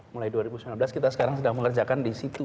mulai dua ribu sembilan belas kita sekarang sedang mengerjakan di situ